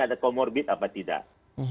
ada comorbid atau tidak